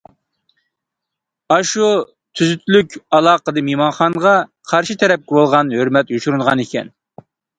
ئاشۇ تۈزۈتلۈك ئالاقىدە مېھمانغا، قارشى تەرەپكە بولغان ھۆرمەت يوشۇرۇنغانىكەن.